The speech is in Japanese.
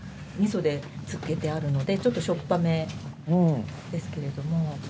味噌で漬けてあるのでちょっとしょっぱめですけれども。